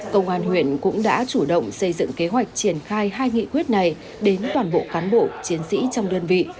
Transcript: công an huyện cũng đã chủ động xây dựng kế hoạch triển khai hai nghị quyết này đến toàn bộ cán bộ chiến sĩ trong đơn vị